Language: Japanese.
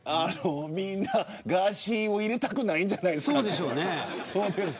みんなガーシーを入れたくないんじゃないですか。